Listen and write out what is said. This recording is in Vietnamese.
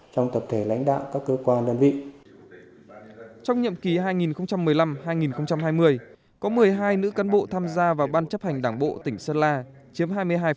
trong nhiệm kỳ hai nghìn một mươi năm hai nghìn hai mươi có một mươi hai nữ cán bộ tham gia vào ban chấp hành đảng bộ tỉnh sơn la chiếm hai mươi hai